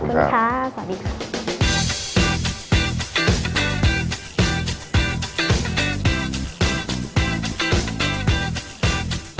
ขอบคุณครับสวัสดีค่ะ